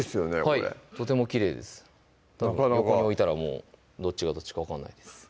これはいとてもきれいですたぶん横に置いたらどっちがどっちか分かんないです